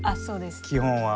基本は。